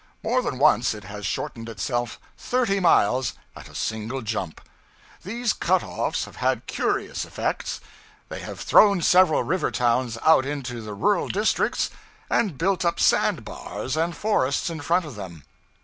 More than once it has shortened itself thirty miles at a single jump! These cut offs have had curious effects: they have thrown several river towns out into the rural districts, and built up sand bars and forests in front of them.